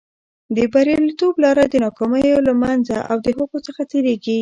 د بریالیتوب لاره د ناکامیو له منځه او د هغو څخه تېرېږي.